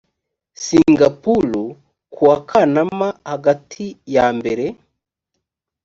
singapour ku wa kanama hagati yambere